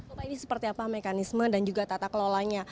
bapak ini seperti apa mekanisme dan juga tata kelolanya